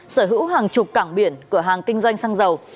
sở hữu hàng chục cảng biển cửa hàng kinh doanh xăng dầu